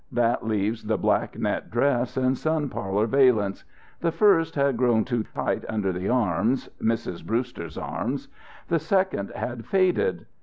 That leaves the black net dress and sun parlour valance. The first had grown too tight under the arms (Mrs. Brewster's arms); the second had faded.